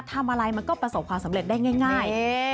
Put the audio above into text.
ทำอะไรมันก็ประสบความสำเร็จได้ง่าย